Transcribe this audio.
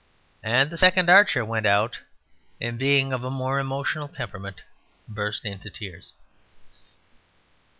And the second archer went out, and being of a more emotional temperament burst into tears.